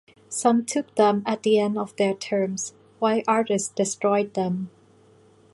Some took them at the end of their terms while others destroyed them.